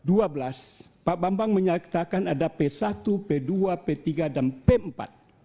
pak bambang menyatakan ada p satu p dua p tiga dan p empat